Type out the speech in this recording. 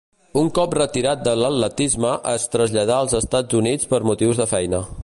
Un cop retirat de l'atletisme es traslladà als Estats Units per motius de feina.